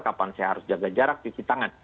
kapan saya harus jaga jarak cuci tangan